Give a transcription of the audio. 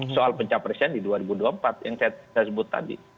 soal pencapresan di dua ribu dua puluh empat yang saya sebut tadi